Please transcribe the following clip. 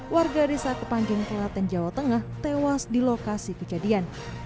warga desa kepangging kelaten jawa tengah tewas di lokasi kejadian